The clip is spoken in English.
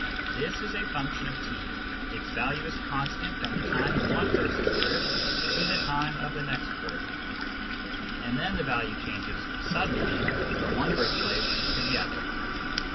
This is a function of t ; its value is constant from the time of one person's birth to the time of the next birth, and then the value changes suddenly from one birthplace to the other.